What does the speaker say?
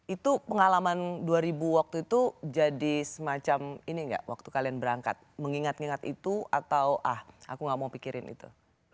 itu pengalaman dua ribu waktu itu jadi semacam ini enggak waktu kalian berangkat mengingat ingat itu atau ah aku gak mau pikirin itu